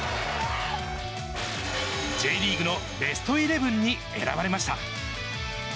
Ｊリーグのベストイレブンに選ばれました。